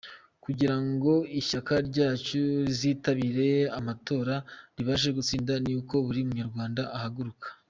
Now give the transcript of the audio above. Kugira ngo ishyaka ryacu rizitabire amatora ribashe gutsinda ni uko buri murwanashyaka ahaguruka.